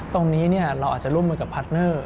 ตรงนี้เราอาจจะร่วมมือกับพาร์ทเนอร์